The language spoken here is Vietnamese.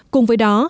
cùng với đó